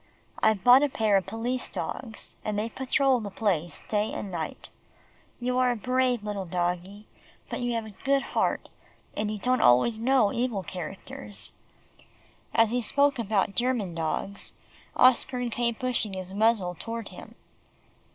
I've bought a pair of police dogs, and they patrol the place day and night. You are a brave little doggie, but you have a good heart, and you don't always know evil characters." As he spoke about German dogs, Oscar came pushing his muzzle toward him.